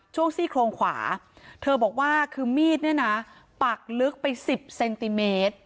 ซี่โครงขวาเธอบอกว่าคือมีดเนี่ยนะปักลึกไป๑๐เซนติเมตร